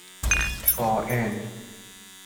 قائن